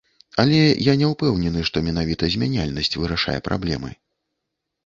Але я не ўпэўнены, што менавіта змяняльнасць вырашае праблемы.